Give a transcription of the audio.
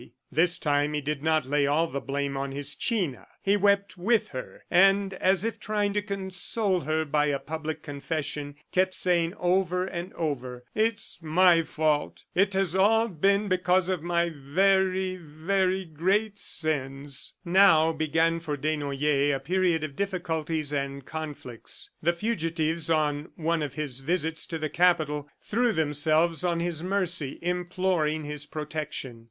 This time he did not lay all the blame on his China. He wept with her, and as if trying to console her by a public confession, kept saying over and over: "It is my fault. ... It has all been because of my very, very great sins." Now began for Desnoyers a period of difficulties and conflicts. The fugitives, on one of his visits to the Capital, threw themselves on his mercy, imploring his protection.